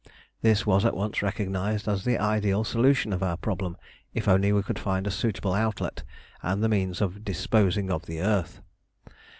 This was at once recognised as the ideal solution of our problem if only we could find a suitable outlet and the means of disposing of the earth.